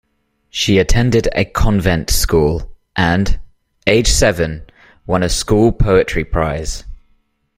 She attended a convent school and, aged seven, won a school poetry prize.